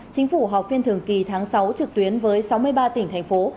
chính phủ họp phiên thường kỳ tháng sáu trực tuyến với sáu mươi ba tỉnh thành phố